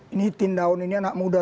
ini hitin daun ini anak muda